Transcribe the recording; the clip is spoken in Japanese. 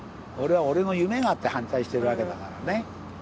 俺は俺の夢があって反対してるわけだからね。